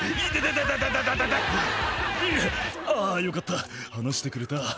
「あぁよかった離してくれた」